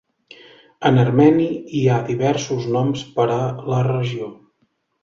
En armeni, hi ha diversos noms per a la regió.